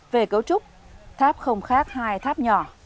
về cấu trúc tháp không khác hai tháp nhỏ